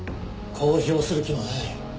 公表する気もない。